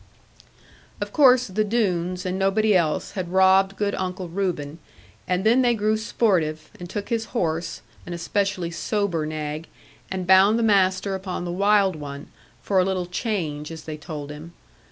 Of course, the Doones, and nobody else, had robbed good Uncle Reuben; and then they grew sportive, and took his horse, an especially sober nag, and bound the master upon the wild one, for a little change as they told him.